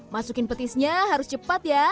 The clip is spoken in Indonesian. masukin petisnya harus cepat ya